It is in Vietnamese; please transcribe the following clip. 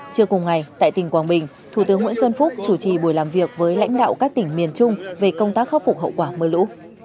trưa cùng ngày tại tỉnh quảng bình thủ tướng nguyễn xuân phúc chủ trì buổi làm việc với lãnh đạo các tỉnh miền trung về công tác khắc phục hậu quả mưa lũ